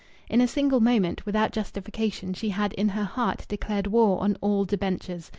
In a single moment, without justification, she had in her heart declared war on all debentures.